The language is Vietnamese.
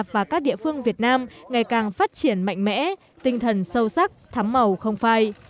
và các địa phương việt nam ngày càng phát triển mạnh mẽ tinh thần sâu sắc thắm màu không phai